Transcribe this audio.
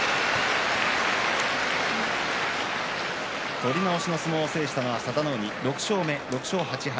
取り直しの相撲を制したのは佐田の海、６勝８敗。